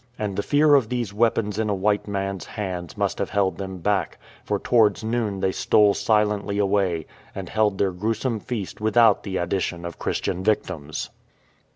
And the fear of these weapons in a white man'*s hands must have held them back, for towards noon they stole silently away, and held their gruesome feast without the addition of Christian victims.